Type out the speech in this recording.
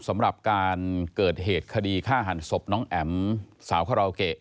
สำหรับการเกิดเหตุคดีฆ่าหันศพน้องแอ๋มสาวคาราโอเกะ